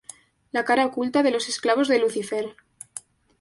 La cara oculta de los esclavos de Lucifer".